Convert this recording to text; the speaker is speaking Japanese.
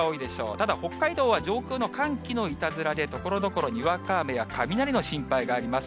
ただ、北海道は上空の寒気のいたずらで、ところどころ、にわか雨や雷の心配があります。